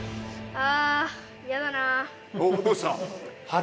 あ！